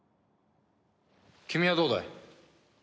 君はどうだい？